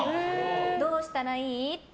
どうしたらいい？って。